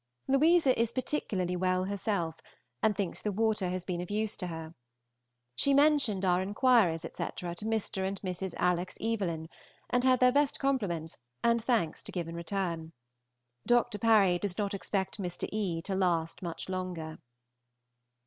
Louisa is particularly well herself, and thinks the water has been of use to her. She mentioned our inquiries, etc., to Mr. and Mrs. Alex. Evelyn, and had their best compliments and thanks to give in return. Dr. Parry does not expect Mr. E. to last much longer.